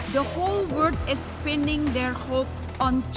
seluruh dunia menaruh harapan mereka pada g dua puluh